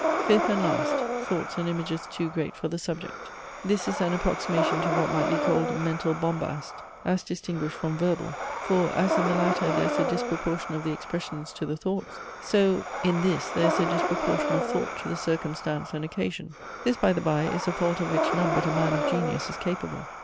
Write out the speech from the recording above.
Fifth and last; thoughts and images too great for the subject. This is an approximation to what might be called mental bombast, as distinguished from verbal: for, as in the latter there is a disproportion of the expressions to the thoughts so in this there is a disproportion of thought to the circumstance and occasion. This, by the bye, is a fault of which none but a man of genius is capable.